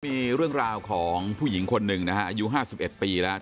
มีเรื่องราวของผู้หญิงคนหนึ่งนะอยู่ห้าสิบเอ็ดปีแล้ว